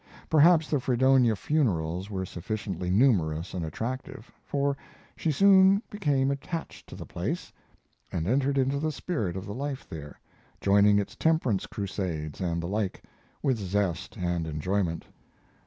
Perhaps the Fredonia funerals were sufficiently numerous and attractive, for she soon became attached to the place, and entered into the spirit of the life there, joining its temperance crusades, and the like, with zest and enjoyment.